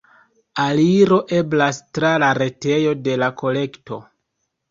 Aliro eblas tra la retejo de la kolekto.